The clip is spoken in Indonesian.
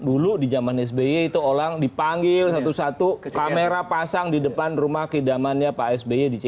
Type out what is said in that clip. dulu di jaman sby itu orang dipanggil satu satu kamera pasang di depan rumah kehidamannya pak sby di ckm